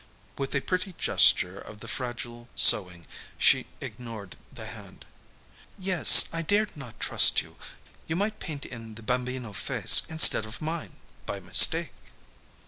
With a pretty gesture of the fragile sewing she ignored the hand. "Yes, I dared not trust you. You might paint in the Bambino face instead of mine, by mistake."